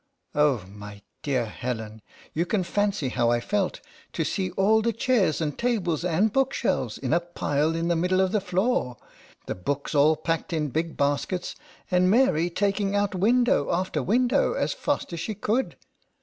Oh ! my dear Helen, you can fancy how I felt, to see all the chairs and tables and bookshelves in a pile in the middle of the floor, the books all packed in big baskets, and Mary taking out window after window as fast as she could.